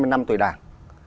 năm mươi năm tuổi đảng